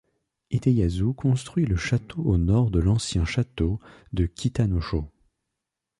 Hideyasu construisit le château au nord de l'ancien château de Kitanosho.